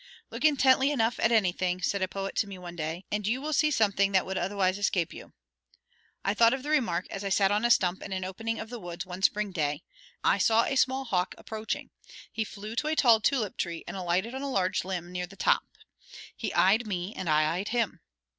"Look intently enough at anything," said a poet to me one day, "and you will see something that would otherwise escape you." I thought of the remark as I sat on a stump in an opening of the woods one spring day. I saw a small hawk approaching; he flew to a tall tulip tree and alighted on a large limb near the top. He eyed me and I eyed him.